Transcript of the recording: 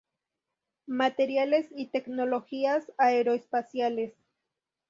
Materiales y Tecnologías Aeroespaciales.